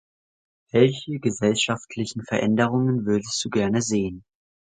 Welche gesellschaftlichen Veränderungen würdest du gerne sehen?